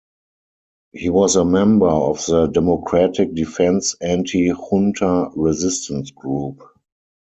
He was a member of the Democratic Defense anti-junta resistance group.